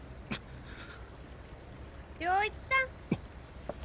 涼一さん。